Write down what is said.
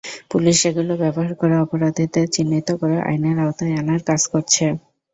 Police সেগুলো ব্যবহার করে অপরাধীদের চিহ্নিত করে আইনের আওতায় আনার কাজ করছে।